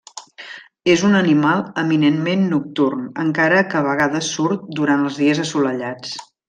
És un animal eminentment nocturn, encara que a vegades surt durant els dies assolellats.